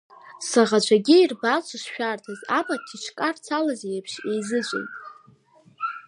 Саӷацәагьы ирбан сышшәарҭаз, амаҭ икҿарцалаз еиԥш, еизыҵәеит!